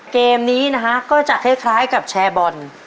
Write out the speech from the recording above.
เกมนี้นะฮะก็จะคล้ายกับแชร์บอล